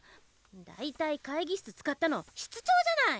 大体会議室使ったの室長じゃない！